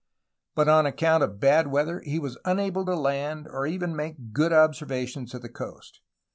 But on account of bad weather he was unable to land or even to make good observations of the coast.